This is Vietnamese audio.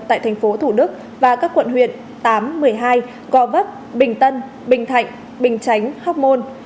tại tp thủ đức và các quận huyện tám một mươi hai co vấp bình tân bình thạnh bình chánh hóc môn